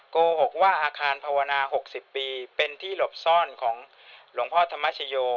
โกหกว่าอาคารภาวนา๖๐ปีเป็นที่หลบซ่อนของหลวงพ่อธรรมชโย